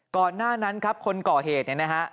ก่อนหน้านั้นครับคนก่อเหตุเนี่ยนะฮะ